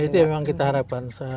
itu yang memang kita harapkan